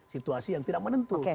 situasi yang tidak menentu